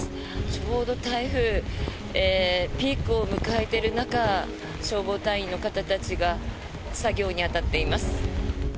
ちょうど台風ピークを迎えている中消防隊員の方たちが作業に当たっています。